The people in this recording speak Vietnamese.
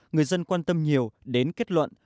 người dân quan tâm nhiều đến kết luận